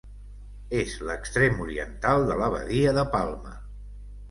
És l'extrem oriental de la badia de Palma.